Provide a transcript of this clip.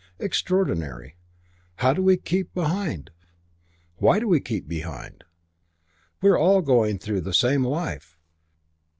Extraordinary. How do we keep behind? Why do we keep behind? We're all going through the same life.